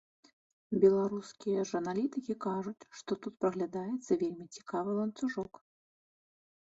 Беларускія ж аналітыкі кажуць, што тут праглядаецца вельмі цікавы ланцужок.